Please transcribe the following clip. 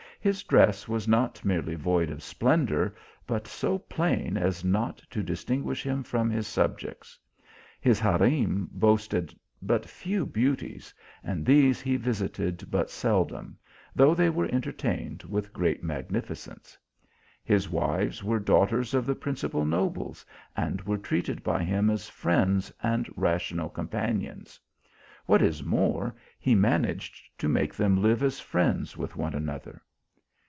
His dress was not merely void of splendour, but so plain as not to dis tinguish him from his subjects. His harem boasted but few beauties, and these he visited but seldom, though they were entertained with great magnifi cence. His wives were daughters of the principal nobles, and were treated by him as friends and ra tional companions ; what is more, he managed to make them live as friends with one another.